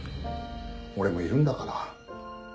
俺もいるんだから。